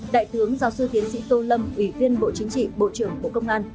đại tướng giáo sư tiến sĩ tô lâm ủy viên bộ chính trị bộ trưởng bộ công an